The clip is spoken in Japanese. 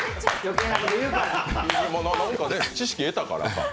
何か知識得たからさ。